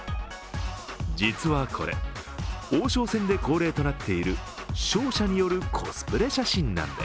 実はこれ、王将戦で恒例となっている勝者によるコスプレ写真なんです。